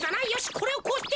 これをこうして。